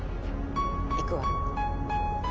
行くわ。